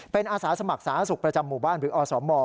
เป็นอาสาสมัครสาธารณสุขประจำหมู่บ้านหรืออสม